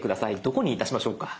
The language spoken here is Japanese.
どこにいたしましょうか？